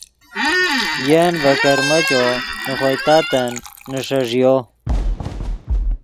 ین ڤے کرمیچو نے خوئے تاتن نیݰݱیو